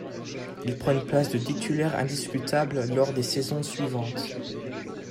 Il prend une place de titulaire indiscutable lors des saisons suivantes.